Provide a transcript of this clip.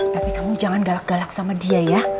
tapi kamu jangan galak galak sama dia ya